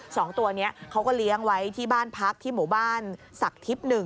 สองตัวนี้เขาก็เลี้ยงไว้ที่บ้านพักที่หมู่บ้านศักดิ์ทิพย์หนึ่ง